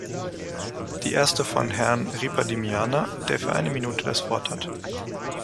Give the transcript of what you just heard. Die erste von Herrn Ripa di Meana, der für eine Minute das Wort hat.